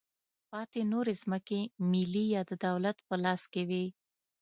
پاتې نورې ځمکې ملي یا د دولت په لاس کې وې.